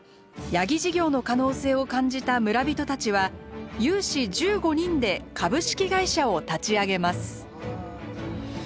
ヤギ事業の可能性を感じた村人たちは有志１５人で株式会社を立ち上げます。